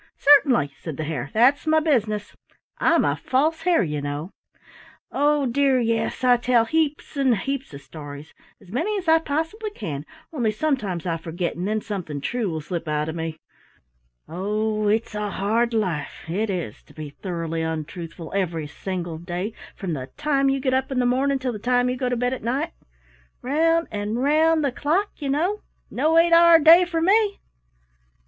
"Certainly," said the Hare, "that's my business, I'm a False Hare, you know. Oh, dear, yes, I tell heaps and heaps of stories, as many as I possibly can, only sometimes I forget and then something true will slip out of me. Oh, it's a hard life, it is, to be thoroughly untruthful every single day from the time you get up in the morning till the time you go to bed at night round and round the clock, you know! No eight hour day for me.